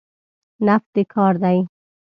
نفت د کار دی.